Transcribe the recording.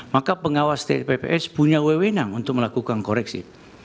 maka pengawas tpps punya wewenang untuk melakukan koreksi